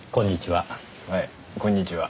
はいこんにちは。